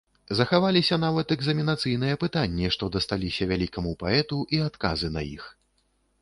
Захаваліся нават экзаменацыйныя пытанні, што дасталіся вялікаму паэту, і адказы на іх.